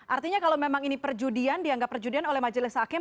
artinya kalau memang ini perjudian dianggap perjudian oleh majelis hakim